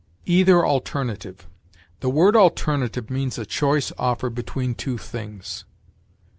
EITHER ALTERNATIVE. The word alternative means a choice offered between two things.